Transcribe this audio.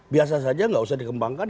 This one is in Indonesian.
biasa saja nggak usah dikembangkan